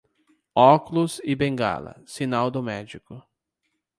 Óculos e bengala, sinal do médico.